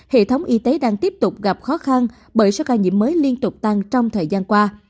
hệ thống y tế đang tiếp tục gặp khó khăn bởi số ca nhiễm mới liên tục tăng trong thời gian qua